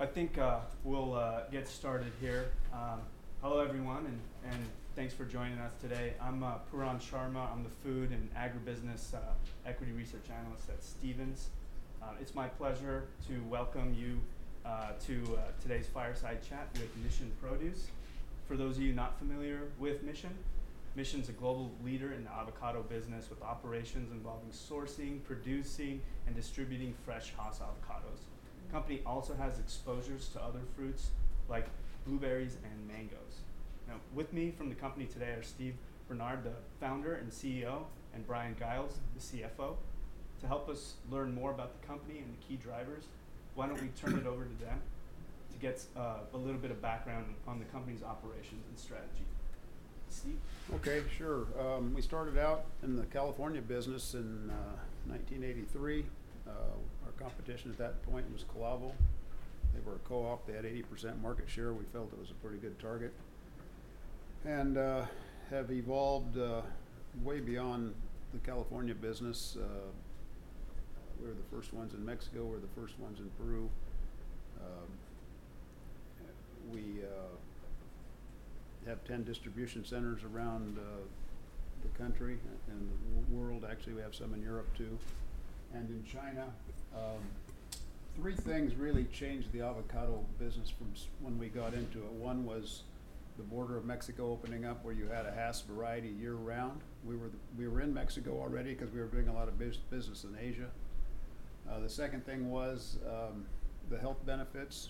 I think we'll get started here. Hello, everyone, and thanks for joining us today. I'm Puran Sharma. I'm the Food and Agribusiness Equity Research Analyst at Stephens. It's my pleasure to welcome you to today's fireside chat with Mission Produce. For those of you not familiar with Mission, Mission is a global leader in the avocado business, with operations involving sourcing, producing, and distributing fresh, Hass avocados. The company also has exposures to other fruits like blueberries and mangoes. Now, with me from the company today are Steve Barnard, the founder and CEO, and Bryan Giles, the CFO. To help us learn more about the company and the key drivers, why don't we turn it over to them to get a little bit of background on the company's operations and strategy? Steve? Okay, sure. We started out in the California business in 1983. Our competition at that point was Calavo Growers. They were a co-op. They had 80% market share. We felt it was a pretty good target and have evolved way beyond the California business. We were the first ones in Mexico. We were the first ones in Peru. We have 10 distribution centers around the country and the world, actually. We have some in Europe, too, and in China, three things really changed the avocado business from when we got into it. One was the border of Mexico opening up, where you had a Hass variety year-round. We were in Mexico already because we were doing a lot of business in Asia. The second thing was the health benefits.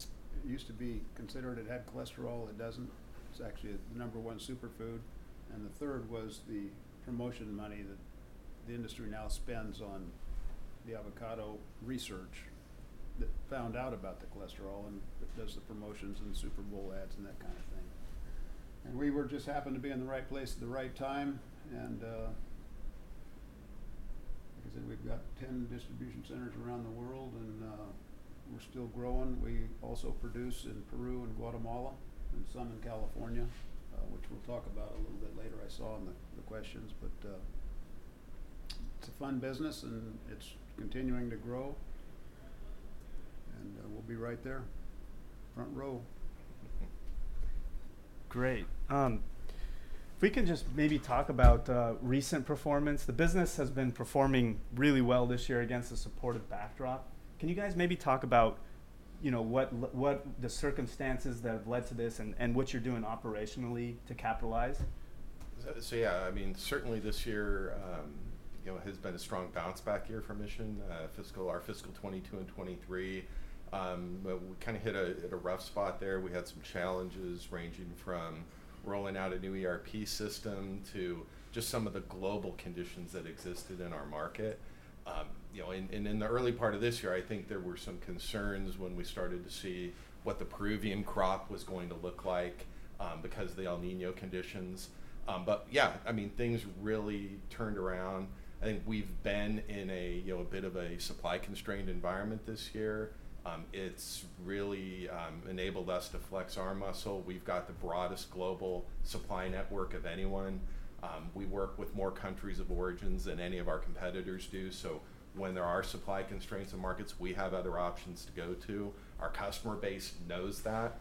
It used to be considered it had cholesterol. It doesn't. It's actually the number one superfood. And the third was the promotion money that the industry now spends on the avocado research that found out about the cholesterol and does the promotions and Super Bowl ads and that kind of thing. And we just happened to be in the right place at the right time. And like I said, we've got 10 distribution centers around the world, and we're still growing. We also produce in Peru and Guatemala and some in California, which we'll talk about a little bit later, I saw in the questions. But it's a fun business, and it's continuing to grow. And we'll be right there, front row. Great. If we can just maybe talk about recent performance. The business has been performing really well this year against the supportive backdrop. Can you guys maybe talk about what the circumstances that have led to this and what you're doing operationally to capitalize? Yeah, I mean, certainly this year has been a strong bounce-back year for Mission, our fiscal 2022 and 2023. But we kind of hit a rough spot there. We had some challenges ranging from rolling out a new ERP system to just some of the global conditions that existed in our market. And in the early part of this year, I think there were some concerns when we started to see what the Peruvian crop was going to look like because of the El Niño conditions. But, yeah, I mean, things really turned around. I think we've been in a bit of a supply-constrained environment this year. It's really enabled us to flex our muscle. We've got the broadest global supply network of anyone. We work with more countries of origin than any of our competitors do. When there are supply constraints in markets, we have other options to go to. Our customer base knows that.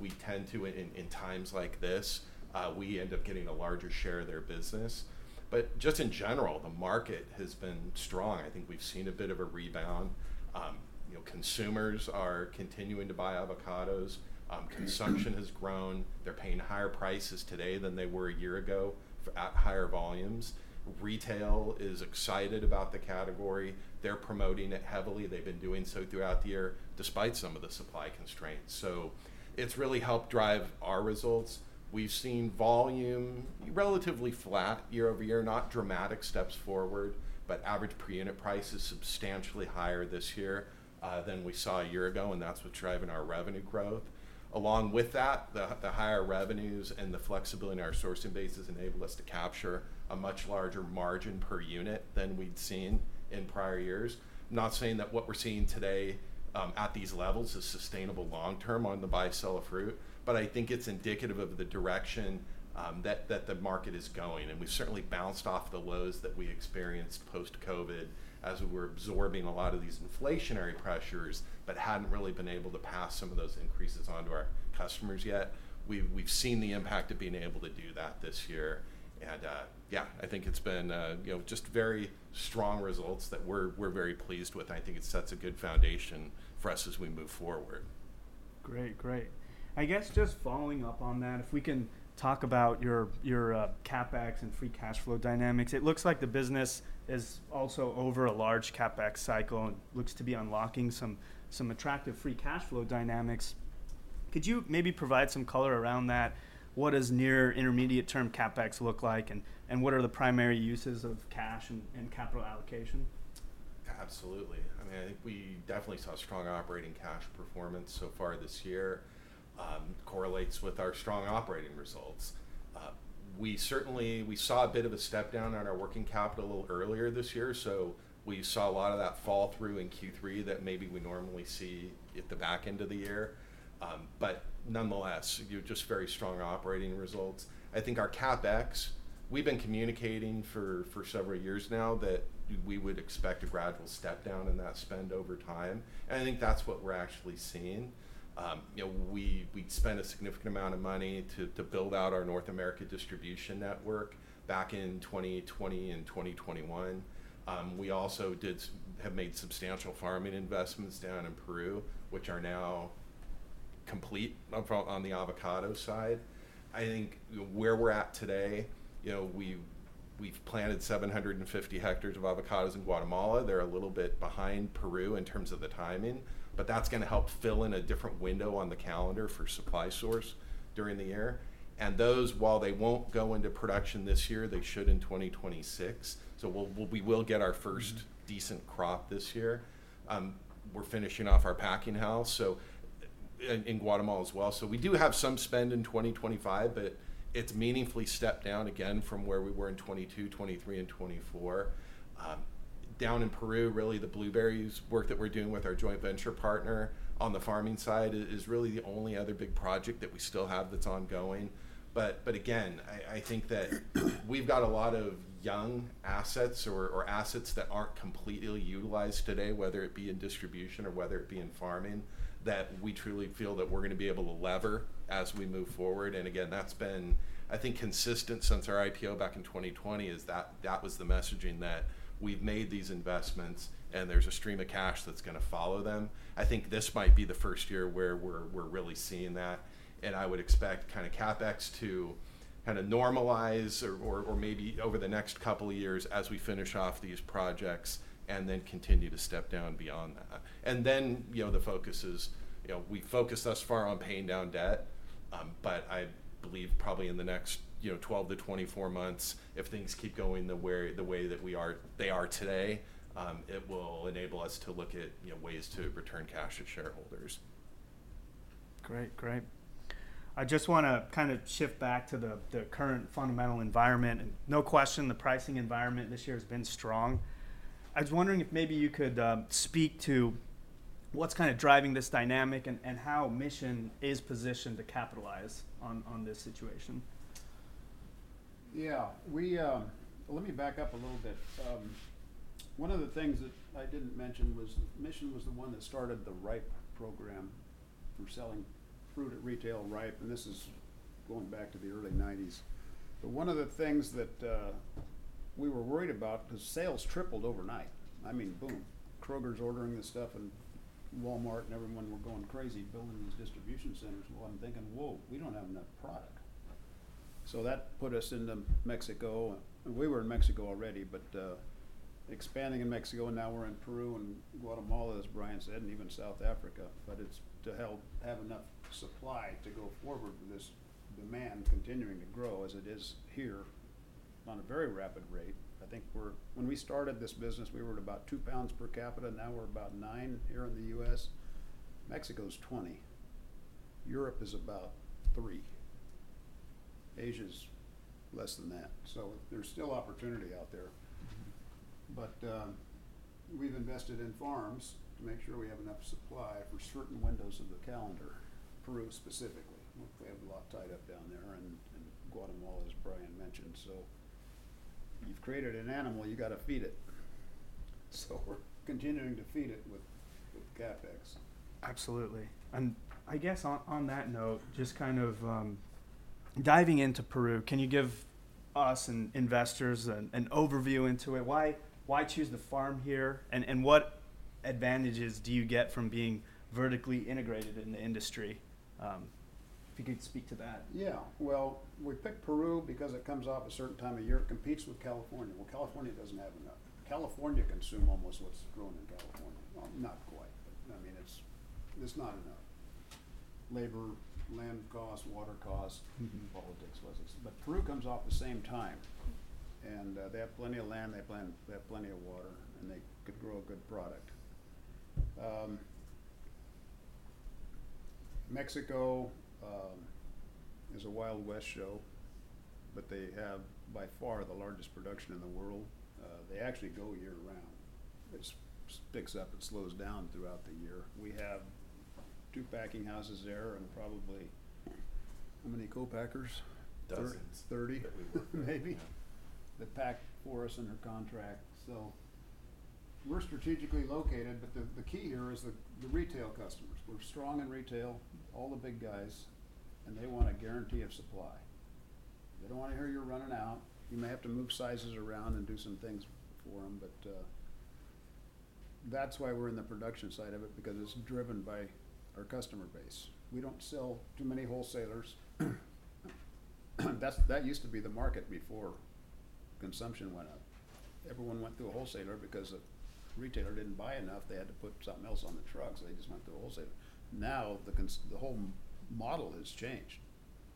We tend to, in times like this, end up getting a larger share of their business. But just in general, the market has been strong. I think we've seen a bit of a rebound. Consumers are continuing to buy avocados. Consumption has grown. They're paying higher prices today than they were a year ago for higher volumes. Retail is excited about the category. They're promoting it heavily. They've been doing so throughout the year despite some of the supply constraints. It's really helped drive our results. We've seen volume relatively flat year over year, not dramatic steps forward, but average per unit price is substantially higher this year than we saw a year ago, and that's what's driving our revenue growth. Along with that, the higher revenues and the flexibility in our sourcing bases enable us to capture a much larger margin per unit than we'd seen in prior years. Not saying that what we're seeing today at these levels is sustainable long-term on the buy-sell of fruit, but I think it's indicative of the direction that the market is going. And we've certainly bounced off the lows that we experienced post-COVID as we were absorbing a lot of these inflationary pressures but hadn't really been able to pass some of those increases onto our customers yet. We've seen the impact of being able to do that this year. And, yeah, I think it's been just very strong results that we're very pleased with. I think it sets a good foundation for us as we move forward. Great, great. I guess just following up on that, if we can talk about your CapEx and free cash flow dynamics. It looks like the business is also over a large CapEx cycle and looks to be unlocking some attractive free cash flow dynamics. Could you maybe provide some color around that? What does near-intermediate-term CapEx look like, and what are the primary uses of cash and capital allocation? Absolutely. I mean, I think we definitely saw strong operating cash performance so far this year. Correlates with our strong operating results. We certainly saw a bit of a step down on our working capital earlier this year, so we saw a lot of that fall through in Q3 that maybe we normally see at the back end of the year. But nonetheless, just very strong operating results. I think our CapEx, we've been communicating for several years now that we would expect a gradual step down in that spend over time. And I think that's what we're actually seeing. We spent a significant amount of money to build out our North America distribution network back in 2020 and 2021. We also have made substantial farming investments down in Peru, which are now complete on the avocado side. I think where we're at today, we've planted 750 hectares of avocados in Guatemala. They're a little bit behind Peru in terms of the timing, but that's going to help fill in a different window on the calendar for supply source during the year, and those, while they won't go into production this year, they should in 2026, so we will get our first decent crop this year. We're finishing off our packing house in Guatemala as well, so we do have some spend in 2025, but it's meaningfully stepped down again from where we were in 2022, 2023, and 2024. Down in Peru, really, the blueberries work that we're doing with our joint venture partner on the farming side is really the only other big project that we still have that's ongoing. But again, I think that we've got a lot of young assets or assets that aren't completely utilized today, whether it be in distribution or whether it be in farming, that we truly feel that we're going to be able to leverage as we move forward. And again, that's been, I think, consistent since our IPO back in 2020, is that that was the messaging that we've made these investments, and there's a stream of cash that's going to follow them. I think this might be the first year where we're really seeing that. And I would expect kind of CapEx to kind of normalize or maybe over the next couple of years as we finish off these projects and then continue to step down beyond that. And then the focus is we focused thus far on paying down debt, but I believe probably in the next 12-24 months, if things keep going the way that they are today, it will enable us to look at ways to return cash to shareholders. Great, great. I just want to kind of shift back to the current fundamental environment. No question, the pricing environment this year has been strong. I was wondering if maybe you could speak to what's kind of driving this dynamic and how Mission is positioned to capitalize on this situation. Yeah. Let me back up a little bit. One of the things that I didn't mention was Mission was the one that started the Ripe Program for selling fruit at retail ripe. And this is going back to the early 1990s. But one of the things that we were worried about because sales tripled overnight. I mean, boom, Kroger's ordering this stuff, and Walmart and everyone were going crazy building these distribution centers. Well, I'm thinking, "Whoa, we don't have enough product." So that put us into Mexico. We were in Mexico already, but expanding in Mexico, and now we're in Peru and Guatemala, as Bryan said, and even South Africa. But it's to have enough supply to go forward with this demand continuing to grow as it is here on a very rapid rate. I think when we started this business, we were at about two pounds per capital. Now we're about nine here in the US. Mexico's 20. Europe is about three. Asia's less than that. So there's still opportunity out there. But we've invested in farms to make sure we have enough supply for certain windows of the calendar, Peru specifically. We have a lot tied up down there, and Guatemala, as Bryan mentioned. So you've created an animal, you got to feed it. So we're continuing to feed it with CapEx. Absolutely, and I guess on that note, just kind of diving into Peru, can you give us and investors an overview into it? Why choose to farm here, and what advantages do you get from being vertically integrated in the industry? If you could speak to that. Yeah. Well, we picked Peru because it comes off a certain time of year and competes with California. Well, California doesn't have enough. California consumes almost what's grown in California. Well, not quite, but I mean, it's not enough. Labor, land costs, water costs, politics, whatever. But Peru comes off the same time, and they have plenty of land. They have plenty of water, and they could grow a good product. Mexico is a Wild West show, but they have by far the largest production in the world. They actually go year-round. It picks up and slows down throughout the year. We have two packing houses there and probably how many co-packers? Thirty. 30. Maybe. That pack for us under contract. So we're strategically located, but the key here is the retail customers. We're strong in retail, all the big guys, and they want a guarantee of supply. They don't want to hear you're running out. You may have to move sizes around and do some things for them. But that's why we're in the production side of it, because it's driven by our customer base. We don't sell to many wholesalers. That used to be the market before consumption went up. Everyone went to a wholesaler because the retailer didn't buy enough. They had to put something else on the trucks. They just went to a wholesaler. Now the whole model has changed.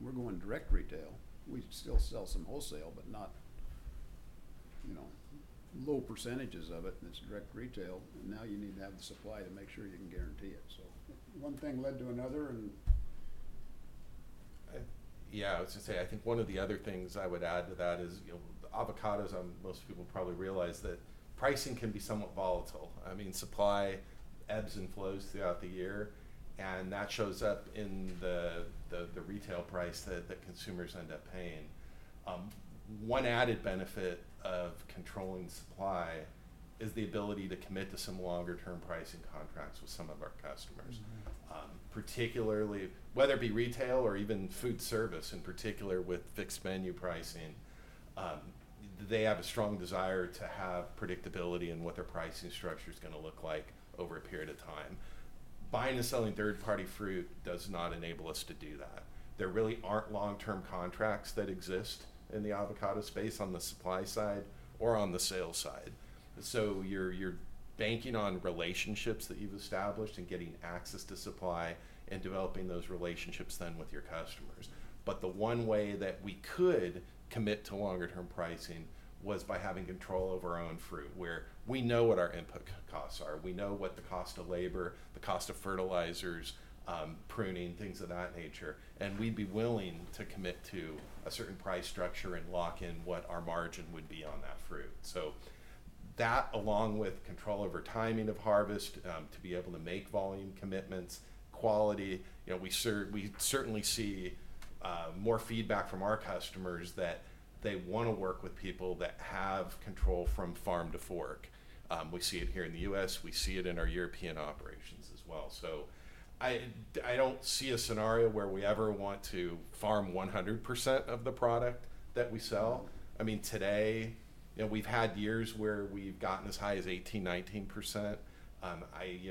We're going direct retail. We still sell some wholesale, but not low percentages of it. It's direct retail. And now you need to have the supply to make sure you can guarantee it. So one thing led to another, and. Yeah, I was going to say, I think one of the other things I would add to that is avocados. Most people probably realize that pricing can be somewhat volatile. I mean, supply ebbs and flows throughout the year, and that shows up in the retail price that consumers end up paying. One added benefit of controlling supply is the ability to commit to some longer-term pricing contracts with some of our customers, particularly whether it be retail or even food service in particular with fixed menu pricing. They have a strong desire to have predictability in what their pricing structure is going to look like over a period of time. Buying and selling third-party fruit does not enable us to do that. There really aren't long-term contracts that exist in the avocado space on the supply side or on the sales side. So you're banking on relationships that you've established and getting access to supply and developing those relationships then with your customers. But the one way that we could commit to longer-term pricing was by having control over our own fruit, where we know what our input costs are. We know what the cost of labor, the cost of fertilizers, pruning, things of that nature. And we'd be willing to commit to a certain price structure and lock in what our margin would be on that fruit. So that, along with control over timing of harvest, to be able to make volume commitments, quality, we certainly see more feedback from our customers that they want to work with people that have control from farm to fork. We see it here in the U.S. We see it in our European operations as well. So I don't see a scenario where we ever want to farm 100% of the product that we sell. I mean, today, we've had years where we've gotten as high as 18%-19%.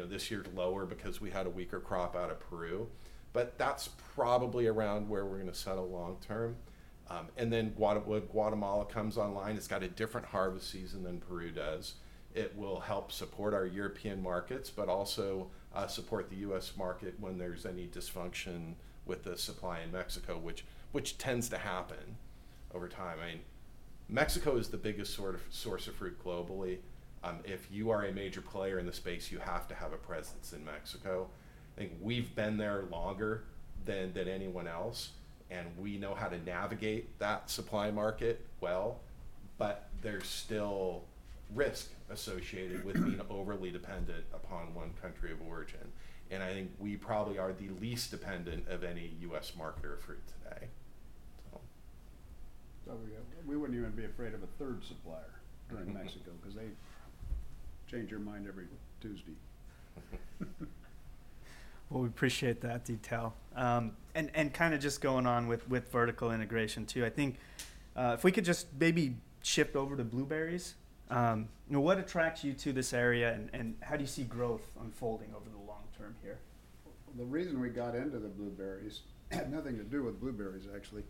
This year, lower because we had a weaker crop out of Peru. But that's probably around where we're going to settle long-term. And then when Guatemala comes online, it's got a different harvest season than Peru does. It will help support our European markets, but also support the US market when there's any dysfunction with the supply in Mexico, which tends to happen over time. I mean, Mexico is the biggest source of fruit globally. If you are a major player in the space, you have to have a presence in Mexico. I think we've been there longer than anyone else, and we know how to navigate that supply market well. But there's still risk associated with being overly dependent upon one country of origin. And I think we probably are the least dependent of any U.S. market or fruit today. We wouldn't even be afraid of a third supplier in Mexico because they change their mind every Tuesday. We appreciate that detail. Kind of just going on with vertical integration too, I think if we could just maybe shift over to blueberries. What attracts you to this area, and how do you see growth unfolding over the long term here? The reason we got into the blueberries had nothing to do with blueberries, actually.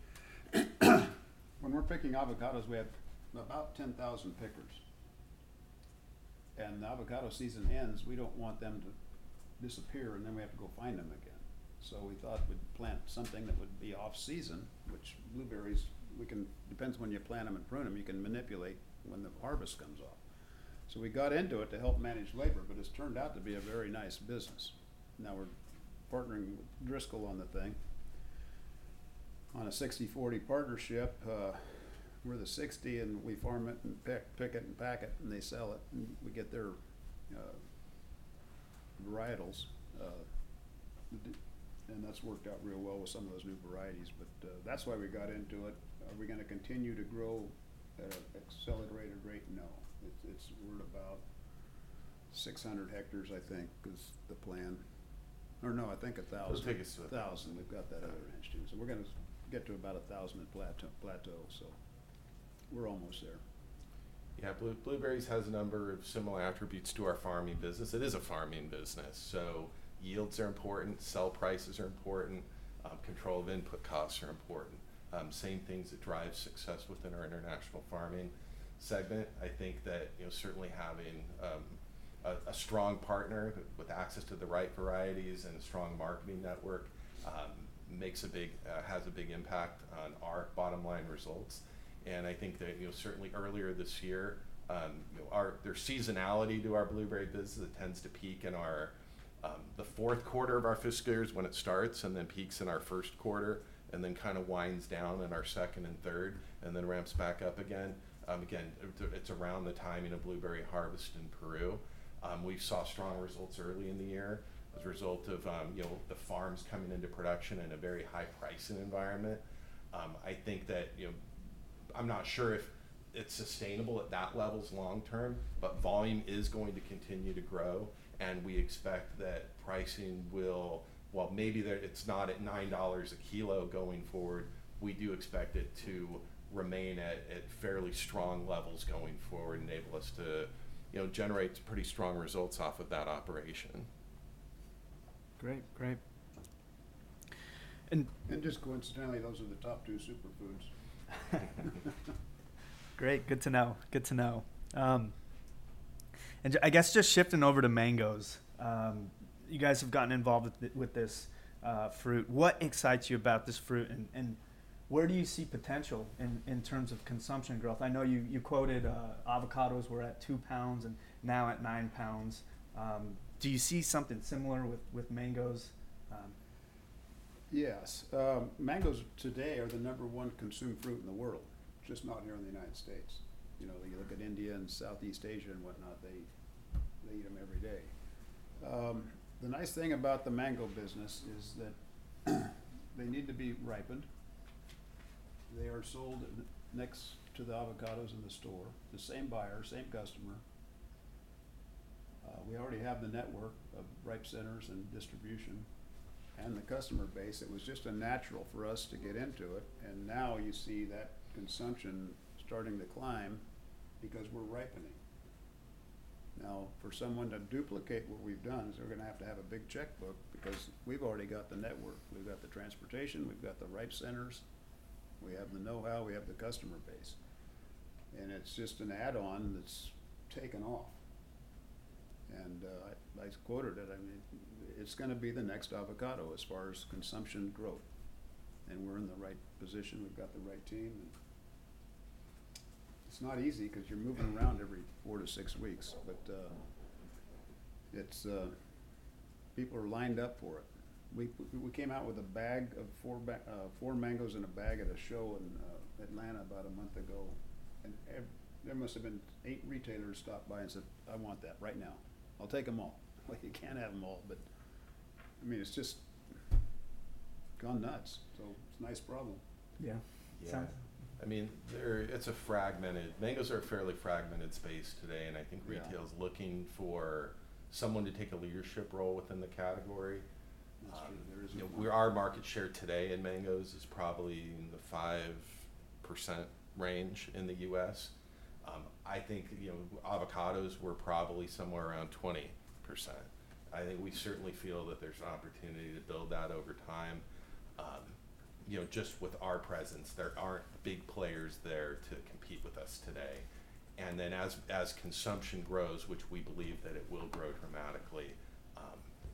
When we're picking avocados, we have about 10,000 pickers, and the avocado season ends, we don't want them to disappear, and then we have to go find them again, so we thought we'd plant something that would be off-season, which blueberries, it depends when you plant them and prune them, you can manipulate when the harvest comes off, so we got into it to help manage labor, but it's turned out to be a very nice business. Now we're partnering with Driscoll's on the thing on a 60/40 partnership, we're the 60, and we farm it and pick it and pack it, and they sell it, and we get their varietals, and that's worked out real well with some of those new varieties, but that's why we got into it. Are we going to continue to grow at an accelerated rate? No. It's word of mouth. 600 hectares, I think, is the plan. Or no, I think 1,000. Let's take it slow. 1,000. We've got that other ranch too. So we're going to get to about 1,000 at plateau. So we're almost there. Yeah. Blueberries has a number of similar attributes to our farming business. It is a farming business. So yields are important. Sell prices are important. Control of input costs are important. Same things that drive success within our international farming segment. I think that certainly having a strong partner with access to the right varieties and a strong marketing network has a big impact on our bottom line results. And I think that certainly earlier this year, there's seasonality to our blueberry business that tends to peak in the fourth quarter of our fiscal year when it starts and then peaks in our first quarter and then kind of winds down in our second and third and then ramps back up again. Again, it's around the timing of blueberry harvest in Peru. We saw strong results early in the year as a result of the farms coming into production in a very high-pricing environment. I think that I'm not sure if it's sustainable at that levels long-term, but volume is going to continue to grow, and we expect that pricing will, while maybe it's not at $9 a kilo going forward, we do expect it to remain at fairly strong levels going forward and enable us to generate pretty strong results off of that operation. Great, great. And. Just coincidentally, those are the top two superfoods. Great. Good to know. Good to know and I guess just shifting over to mangoes. You guys have gotten involved with this fruit. What excites you about this fruit, and where do you see potential in terms of consumption growth? I know you quoted avocados were at two pounds and now at nine pounds. Do you see something similar with mangoes? Yes. Mangoes today are the number one consumed fruit in the world, just not here in the United States. You look at India and Southeast Asia and whatnot, they eat them every day. The nice thing about the mango business is that they need to be ripened. They are sold next to the avocados in the store. The same buyer, same customer. We already have the network of ripe centers and distribution and the customer base. It was just a natural for us to get into it. And now you see that consumption starting to climb because we're ripening. Now, for someone to duplicate what we've done, they're going to have to have a big checkbook because we've already got the network. We've got the transportation. We've got the ripe centers. We have the know-how. We have the customer base. And it's just an add-on that's taken off. I quoted it. I mean, it's going to be the next avocado as far as consumption growth. We're in the right position. We've got the right team. It's not easy because you're moving around every four to six weeks. But people are lined up for it. We came out with a bag of four mangoes in a bag at a show in Atlanta about a month ago. There must have been eight retailers stopped by and said, "I want that right now. I'll take them all." Well, you can't have them all, but I mean, it's just gone nuts. It's a nice problem. Yeah. I mean, it's a fragmented. Mangoes are a fairly fragmented space today, and I think retail is looking for someone to take a leadership role within the category. That's true. Our market share today in mangoes is probably in the 5% range in the U.S. I think avocados were probably somewhere around 20%. I think we certainly feel that there's an opportunity to build that over time. Just with our presence, there aren't big players there to compete with us today, and then as consumption grows, which we believe that it will grow dramatically,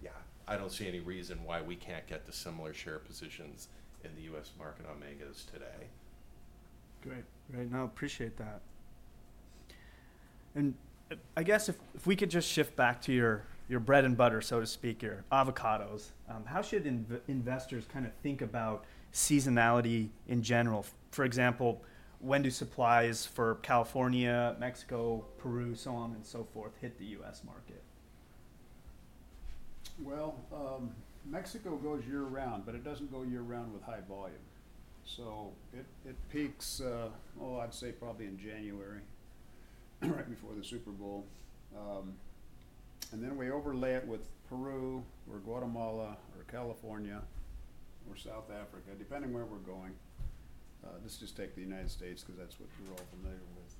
yeah, I don't see any reason why we can't get to similar share positions in the U.S. market on mangoes today. Great. Great. No, appreciate that. And I guess if we could just shift back to your bread and butter, so to speak, your avocados, how should investors kind of think about seasonality in general? For example, when do supplies for California, Mexico, Peru, so on and so forth hit the U.S. market? Mexico goes year-round, but it doesn't go year-round with high volume. It peaks, oh, I'd say probably in January, right before the Super Bowl. We overlay it with Peru or Guatemala or California or South Africa, depending where we're going. Let's just take the United States because that's what we're all familiar with.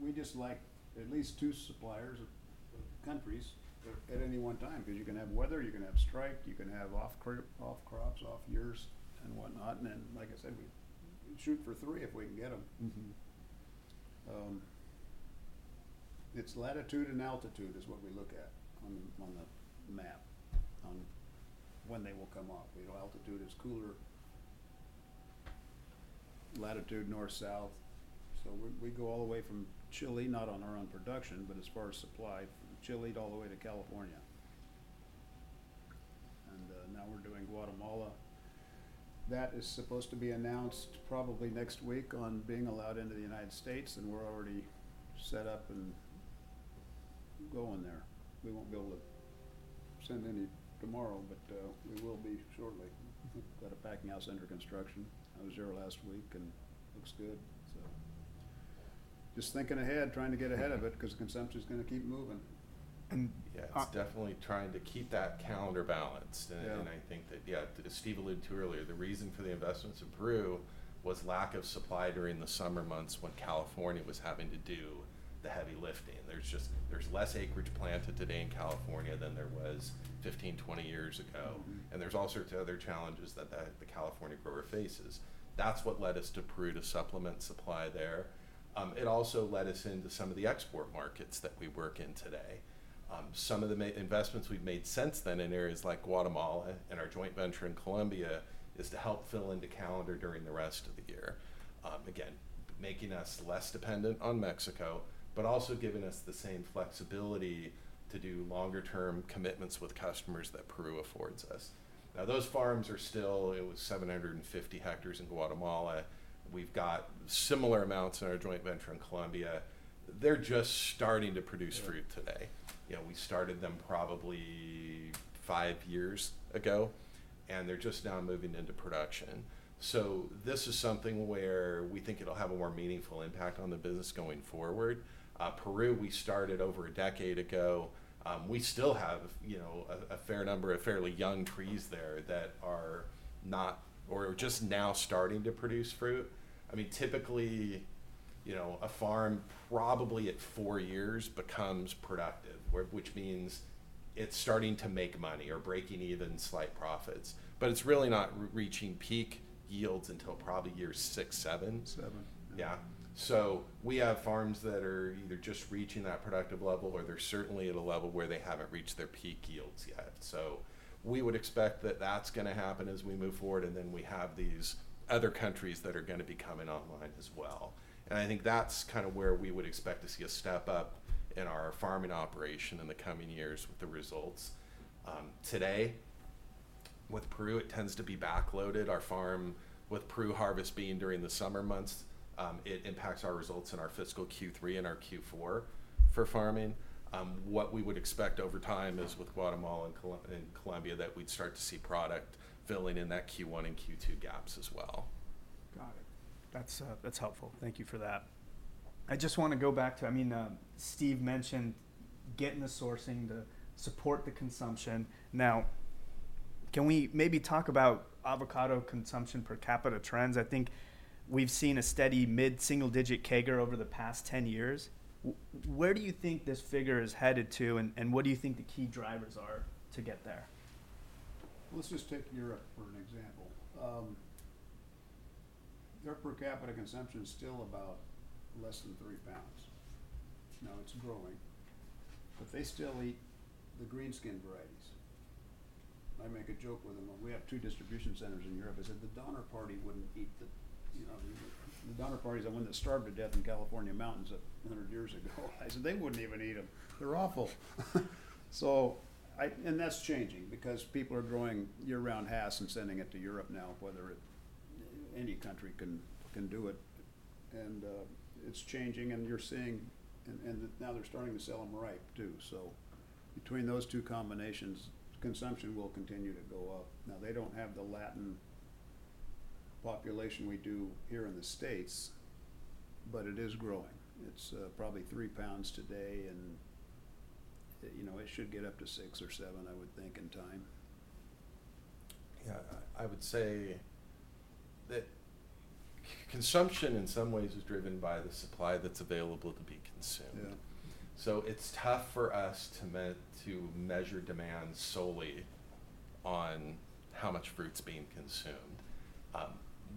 We just like at least two suppliers of countries at any one time because you can have weather, you can have strike, you can have off crops, off years, and whatnot. Then, like I said, we shoot for three if we can get them. It's latitude and altitude is what we look at on the map on when they will come up. Altitude is cooler, latitude north-south. We go all the way from Chile, not on our own production, but as far as supply, Chile all the way to California. And now we're doing Guatemala. That is supposed to be announced probably next week on being allowed into the United States. And we're already set up and going there. We won't be able to send any tomorrow, but we will be shortly. We've got a packing house under construction. I was there last week, and it looks good. So just thinking ahead, trying to get ahead of it because consumption is going to keep moving. It's definitely trying to keep that calendar balance. I think that, yeah, as Steve alluded to earlier, the reason for the investments in Peru was lack of supply during the summer months when California was having to do the heavy lifting. There's less acreage planted today in California than there was 15, 20 years ago. There's all sorts of other challenges that the California grower faces. That's what led us to Peru to supplement supply there. It also led us into some of the export markets that we work in today. Some of the investments we've made since then in areas like Guatemala and our joint venture in Colombia is to help fill in the calendar during the rest of the year. Again, making us less dependent on Mexico, but also giving us the same flexibility to do longer-term commitments with customers that Peru affords us. Now, those farms are still. It was 750 hectares in Guatemala. We've got similar amounts in our joint venture in Colombia. They're just starting to produce fruit today. We started them probably five years ago, and they're just now moving into production. So this is something where we think it'll have a more meaningful impact on the business going forward. Peru, we started over a decade ago. We still have a fair number of fairly young trees there that are not or just now starting to produce fruit. I mean, typically, a farm probably at four years becomes productive, which means it's starting to make money or breaking even slight profits. But it's really not reaching peak yields until probably year six, seven. Seven. Yeah, so we have farms that are either just reaching that productive level or they're certainly at a level where they haven't reached their peak yields yet, so we would expect that that's going to happen as we move forward, and then we have these other countries that are going to be coming online as well, and I think that's kind of where we would expect to see a step up in our farming operation in the coming years with the results. Today, with Peru, it tends to be backloaded. Our farm with Peru harvest being during the summer months, it impacts our results in our fiscal Q3 and our Q4 for farming. What we would expect over time is with Guatemala and Colombia that we'd start to see product filling in that Q1 and Q2 gaps as well. Got it. That's helpful. Thank you for that. I just want to go back to, I mean, Steve mentioned getting the sourcing to support the consumption. Now, can we maybe talk about avocado consumption per capita trends? I think we've seen a steady mid-single-digit CAGR over the past 10 years. Where do you think this figure is headed to, and what do you think the key drivers are to get there? Let's just take Europe for an example. Their per capita consumption is still about less than three pounds. Now, it's growing, but they still eat the green skin varieties. I make a joke with them. We have two distribution centers in Europe. I said, "The Donner Party wouldn't eat them. The Donner Party is the one that starved to death in California mountains 100 years ago." I said, "They wouldn't even eat them. They're awful." That's changing because people are growing year-round Hass and sending it to Europe now, whether any country can do it. It's changing. You're seeing now they're starting to sell them ripe too. Between those two combinations, consumption will continue to go up. Now, they don't have the Latin population we do here in the States, but it is growing. It's probably three pounds today, and it should get up to six or seven, I would think, in time. Yeah. I would say that consumption in some ways is driven by the supply that's available to be consumed. So it's tough for us to measure demand solely on how much fruit's being consumed.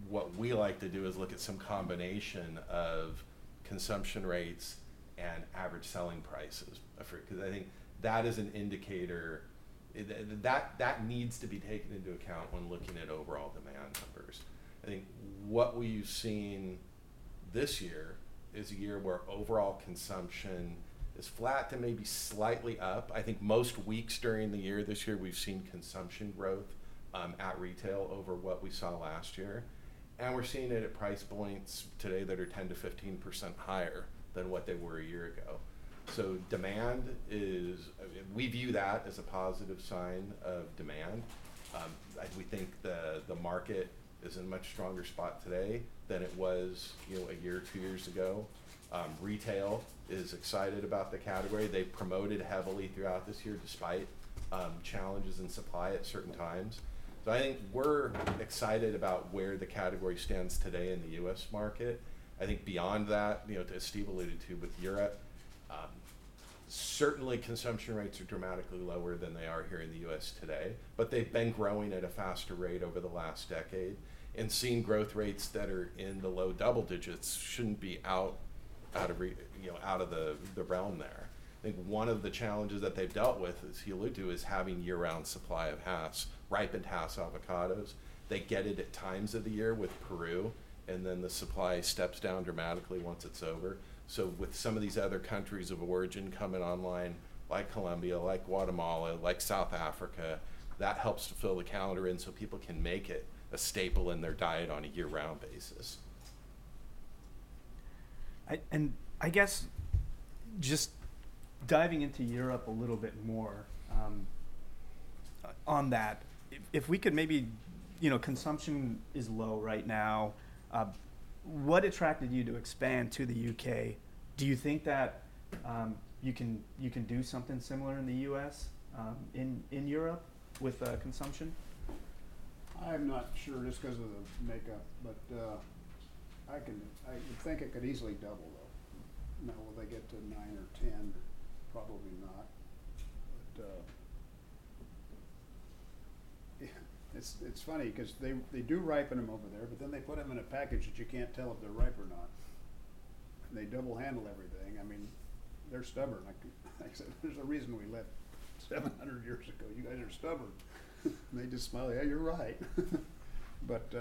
What we like to do is look at some combination of consumption rates and average selling prices of fruit because I think that is an indicator that needs to be taken into account when looking at overall demand numbers. I think what we've seen this year is a year where overall consumption is flat to maybe slightly up. I think most weeks during the year this year, we've seen consumption growth at retail over what we saw last year. And we're seeing it at price points today that are 10%-15% higher than what they were a year ago. So demand is, we view that as a positive sign of demand. We think the market is in a much stronger spot today than it was a year or two years ago. Retail is excited about the category. They've promoted heavily throughout this year despite challenges in supply at certain times. So I think we're excited about where the category stands today in the U.S. market. I think beyond that, as Steve alluded to with Europe, certainly consumption rates are dramatically lower than they are here in the U.S. today, but they've been growing at a faster rate over the last decade and seen growth rates that are in the low double digits. Shouldn't be out of the realm there. I think one of the challenges that they've dealt with, as he alluded to, is having year-round supply of Hass, ripened Hass avocados. They get it at times of the year with Peru, and then the supply steps down dramatically once it's over. So with some of these other countries of origin coming online, like Colombia, like Guatemala, like South Africa, that helps to fill the calendar in so people can make it a staple in their diet on a year-round basis. And I guess, just diving into Europe a little bit more on that, if we could. Maybe consumption is low right now. What attracted you to expand to the U.K.? Do you think that you can do something similar in the U.S. in Europe with consumption? I'm not sure just because of the makeup, but I think it could easily double, though. Now, will they get to nine or 10? Probably not. But it's funny because they do ripen them over there, but then they put them in a package that you can't tell if they're ripe or not. They double-handle everything. I mean, they're stubborn. Like I said, there's a reason we left 700 years ago. You guys are stubborn. And they just smile, "Yeah, you're right." But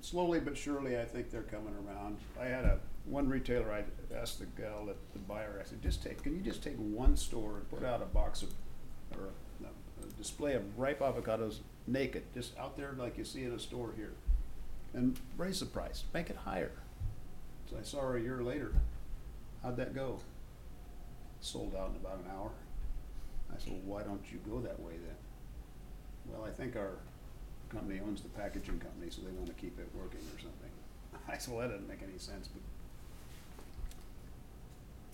slowly but surely, I think they're coming around. I had one retailer I asked the gal at the buyer, I said, "Can you just take one store and put out a box or a display of ripe avocados naked just out there like you see in a store here and raise the price? Make it higher." So I saw her a year later. How'd that go? Sold out in about an hour," I said. "Well, why don't you go that way then?" "Well, I think our company owns the packaging company, so they want to keep it working or something." I said, "Well, that doesn't make any sense.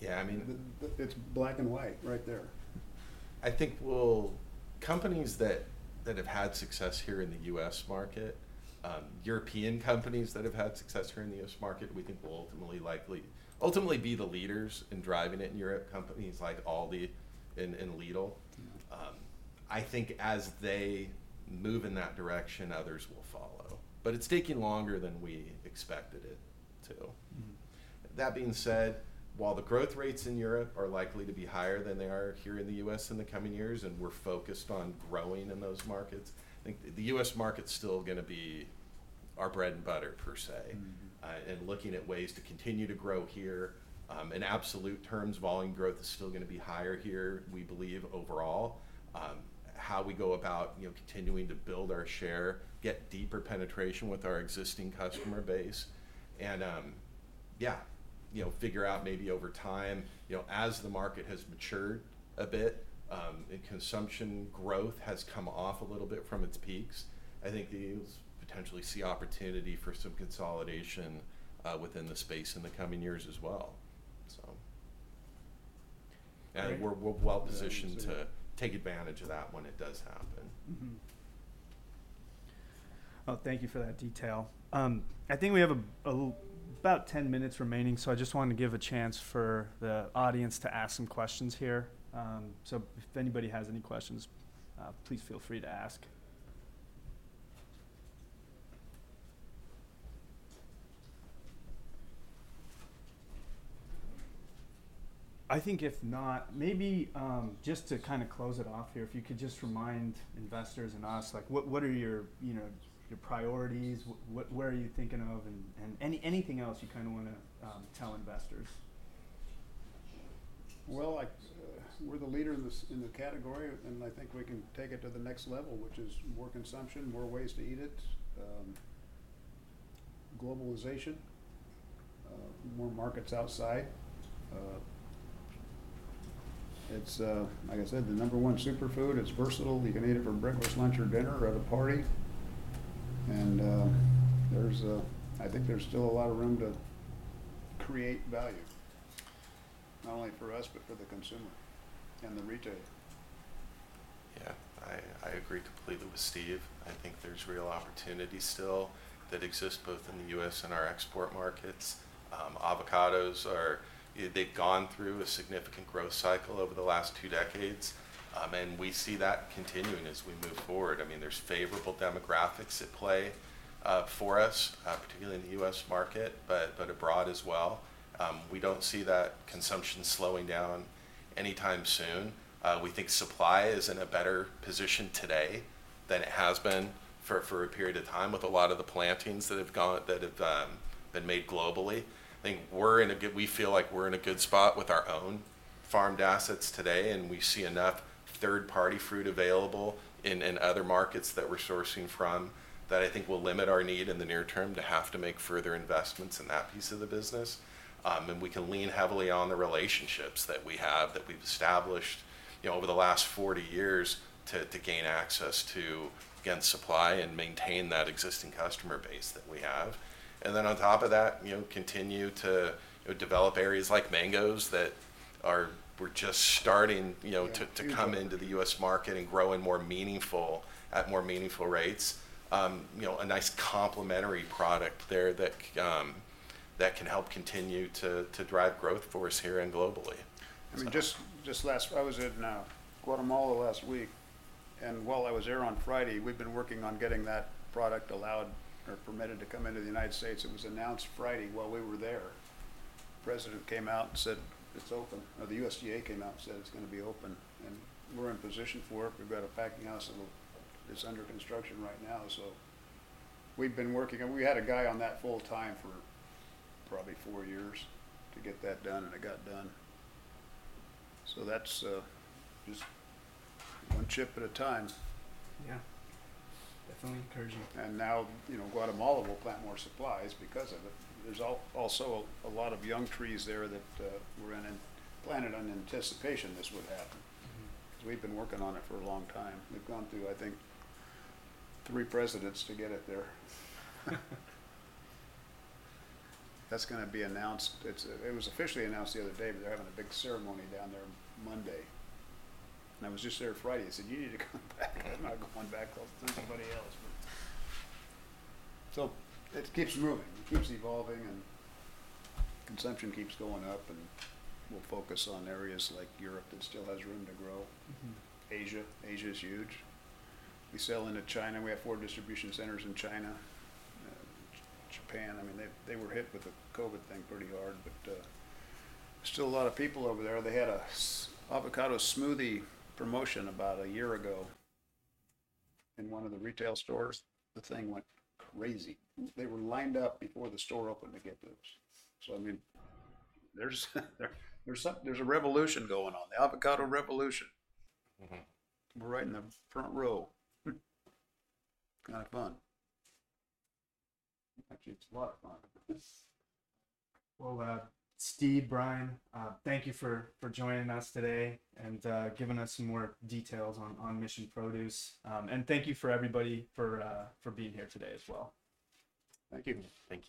Yeah. I mean. It's black and white right there. I think companies that have had success here in the U.S. market, European companies that have had success here in the U.S. market, we think will ultimately be the leaders in driving it in Europe, companies like Aldi and Lidl. I think as they move in that direction, others will follow. But it's taking longer than we expected it to. That being said, while the growth rates in Europe are likely to be higher than they are here in the U.S. in the coming years, and we're focused on growing in those markets, I think the U.S. market's still going to be our bread and butter, per se, and looking at ways to continue to grow here. In absolute terms, volume growth is still going to be higher here, we believe, overall, how we go about continuing to build our share, get deeper penetration with our existing customer base, and yeah, figure out maybe over time as the market has matured a bit and consumption growth has come off a little bit from its peaks, I think you'll potentially see opportunity for some consolidation within the space in the coming years as well. So, and we're well positioned to take advantage of that when it does happen. Well, thank you for that detail. I think we have about 10 minutes remaining, so I just wanted to give a chance for the audience to ask some questions here. So if anybody has any questions, please feel free to ask. I think if not, maybe just to kind of close it off here, if you could just remind investors and us, what are your priorities? What are you thinking of? And anything else you kind of want to tell investors? We're the leader in the category, and I think we can take it to the next level, which is more consumption, more ways to eat it, globalization, more markets outside. It's, like I said, the number one superfood. It's versatile. You can eat it for breakfast, lunch, or dinner at a party. And I think there's still a lot of room to create value, not only for us, but for the consumer and the retail. Yeah. I agree completely with Steve. I think there's real opportunity still that exists both in the U.S. and our export markets. Avocados, they've gone through a significant growth cycle over the last two decades, and we see that continuing as we move forward. I mean, there's favorable demographics at play for us, particularly in the U.S. market, but abroad as well. We don't see that consumption slowing down anytime soon. We think supply is in a better position today than it has been for a period of time with a lot of the plantings that have been made globally. I think we feel like we're in a good spot with our own farmed assets today, and we see enough third-party fruit available in other markets that we're sourcing from that I think will limit our need in the near term to have to make further investments in that piece of the business. And we can lean heavily on the relationships that we have that we've established over the last 40 years to gain access to, again, supply and maintain that existing customer base that we have. And then on top of that, continue to develop areas like mangoes that we're just starting to come into the U.S. market and grow in more meaningful at more meaningful rates, a nice complementary product there that can help continue to drive growth for us here and globally. I mean, just last week, I was in Guatemala last week, and while I was there on Friday, we've been working on getting that product allowed or permitted to come into the United States. It was announced Friday while we were there. The president came out and said, "It's open." The USDA came out and said, "It's going to be open," and we're in position for it. We've got a packing house that is under construction right now, so we've been working, and we had a guy on that full-time for probably four years to get that done, and it got done, so that's just one chip at a time. Yeah. Definitely encouraging. Now Guatemala will plant more supplies because of it. There's also a lot of young trees there that we're in and planted in anticipation this would happen because we've been working on it for a long time. We've gone through, I think, three presidents to get it there. That's going to be announced. It was officially announced the other day, but they're having a big ceremony down there Monday. I was just there Friday. I said, "You need to come back. I'm not going back. I'll send somebody else." So it keeps moving. It keeps evolving, and consumption keeps going up. We'll focus on areas like Europe that still has room to grow. Asia. Asia is huge. We sell into China. We have four distribution centers in China. Japan, I mean, they were hit with the COVID thing pretty hard, but still a lot of people over there. They had an avocado smoothie promotion about a year ago in one of the retail stores. The thing went crazy. They were lined up before the store opened to get those. So I mean, there's a revolution going on, the avocado revolution. We're right in the front row. Kind of fun. Actually, it's a lot of fun. Steve, Bryan, thank you for joining us today and giving us some more details on Mission Produce. Thank you for everybody for being here today as well. Thank you. Thank you.